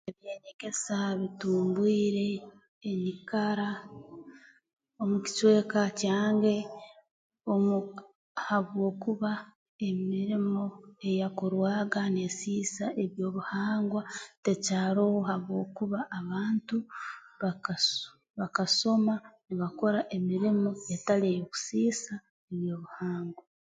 Eby'enyegesa bitumbwire enyikara omu kicweka kyange omu habwokuba emirimo eyakorwaga neesiisa eby'obuhangwa tekyaroho habwokuba abantu bakasu bakasoma nibakora emirimo etali ey'okusiisa eby'obuhangwa